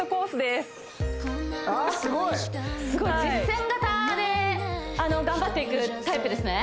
すごい実践型で頑張っていくタイプですね